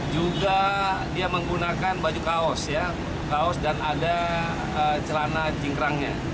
juga menggunakan baju kaos dan ada celana cingkrangnya